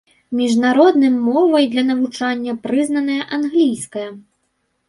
Міжнародным мовай для навучання прызнаная англійская.